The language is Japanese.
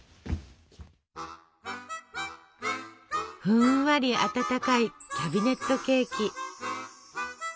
ふんわり温かいキャビネットケーキ。